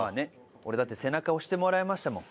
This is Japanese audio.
俺だって背中押してもらいましたもん。